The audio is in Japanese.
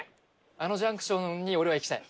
あのジャンクションに俺はいきたい。